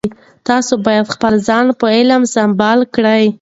تاسو باید خپل ځانونه په علم سمبال کړئ.